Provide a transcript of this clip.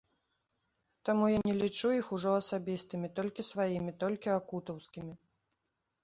Таму я не лічу іх ужо асабістымі, толькі сваімі, толькі акутаўскімі.